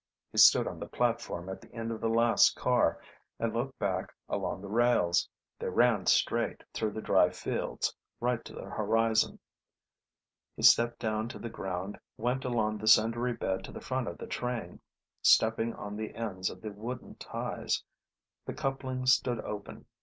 He stood on the platform at the end of the last car, and looked back along the rails. They ran straight, through the dry fields, right to the horizon. He stepped down to the ground, went along the cindery bed to the front of the train, stepping on the ends of the wooden ties. The coupling stood open.